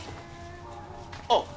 あっ！